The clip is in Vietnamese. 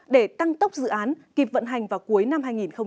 để tăng tốc dự án kịp vận hành vào cuối năm hai nghìn hai mươi